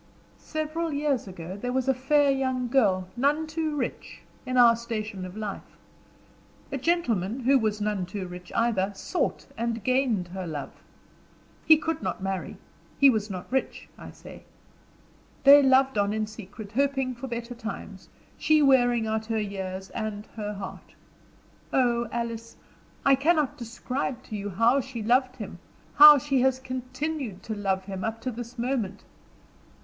"Several years ago there was a fair young girl, none too rich, in our station of life. A gentleman, who was none too rich either, sought and gained her love. He could not marry; he was not rich, I say. They loved on in secret, hoping for better times, she wearing out her years and her heart. Oh, Alice! I cannot describe to you how she loved him how she has continued to love him up to this moment.